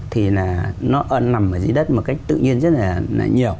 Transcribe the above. thì là nó nằm ở dưới đất một cách tự nhiên rất là nhiều